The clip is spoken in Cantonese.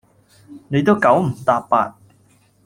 你都九唔答八